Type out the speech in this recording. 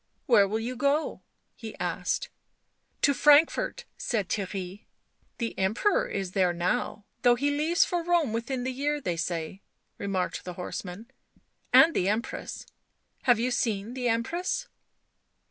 " Where will you go ?" he tusked " To Frankfort," said Theirry. " The Emperor is there now, though he leaves for Rome within the year, they say," remarked the horse man, " and the Empress. Have you seen the Emnress